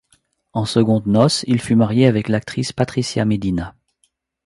En secondes noces, il fut marié avec l’actrice Patricia Medina.